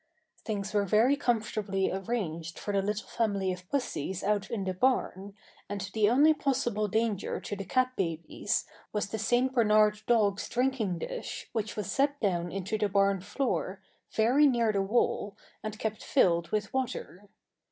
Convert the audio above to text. Things were very comfortably arranged for the little family of pussies out in the barn, and the only possible danger to the cat babies was the St. Bernard dog's drinking dish which was set down into the barn floor, very near the wall, and kept filled with water.